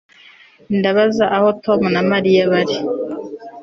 Ndabaza aho Tom na Mariya bari